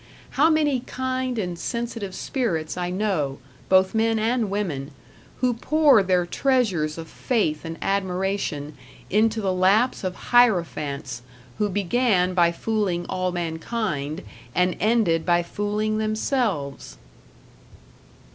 How many kind and sensitive spirits I know both men and women who pour their treasures of faith and admiration into the laps of hierophants who began by fooling all mankind and ended by fooling themselves!